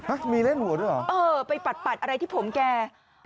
มีเล่นหัวด้วยเหรอเออไปปัดปัดอะไรที่ผมแก